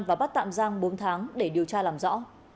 và bắt tạm giam bốn tháng để điều tra làm rõ